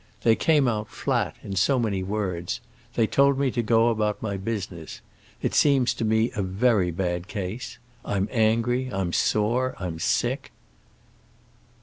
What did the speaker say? They came out flat, in so many words. They told me to go about my business. It seems to me a very bad case. I'm angry, I'm sore, I'm sick."